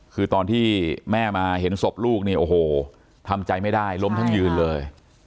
คือตอนที่แม่มาเห็นศพลูกเนี่ยโอ้โหทำใจไม่ได้ล้มทั้งยืนเลย